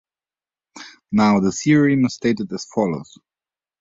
Now the theorem is stated as follows.